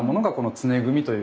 常組。